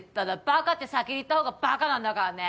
バカって先に言った方がバカなんだからね。